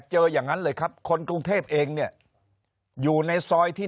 อย่างนั้นเลยครับคนกรุงเทพเองเนี่ยอยู่ในซอยที่